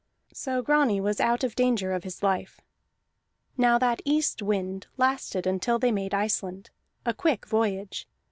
So Grani was out of danger of his life. Now that east wind lasted until they made Iceland a quick voyage.